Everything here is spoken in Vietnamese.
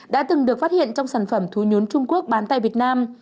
đã từng được phát hiện trong sản phẩm thú nhốn trung quốc bán tại việt nam